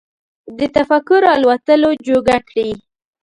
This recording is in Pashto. د تفکر الوتلو جوګه کړي